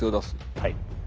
はい。